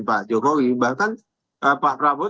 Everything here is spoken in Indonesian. pak jokowi bahkan pak prabowo